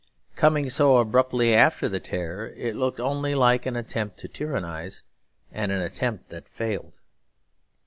Coming so abruptly after the terror, it looked only like an attempt to tyrannise, and an attempt that failed.